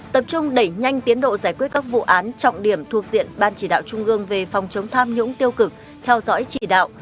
tập trung đẩy nhanh tiến độ giải quyết các vụ án trọng điểm thuộc diện ban chỉ đạo trung ương về phòng chống tham nhũng tiêu cực theo dõi chỉ đạo